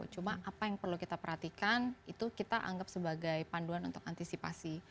cuma apa yang perlu kita perhatikan itu kita anggap sebagai panduan untuk antisipasi